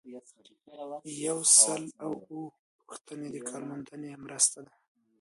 یو سل او اووه پوښتنه د کارموندنې مرسته ده.